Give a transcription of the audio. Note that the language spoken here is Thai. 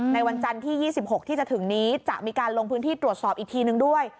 วันจันทร์ที่๒๖ที่จะถึงนี้จะมีการลงพื้นที่ตรวจสอบอีกทีนึงด้วย